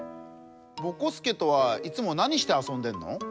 ぼこすけとはいつもなにしてあそんでんの？